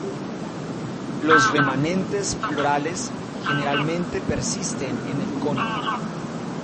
Los remanentes florales generalmente persisten en el cono.